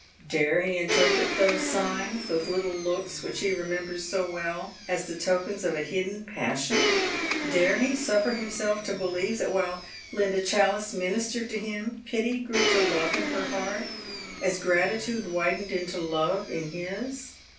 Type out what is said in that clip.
Dare he interpret those signs — those little looks which he re members so well — as the tokens of a hidden passion ? Dare he suffer himself to believe that while Linda Challice ministered to him pity grew to love in her heart, as gratitude widened into love in his?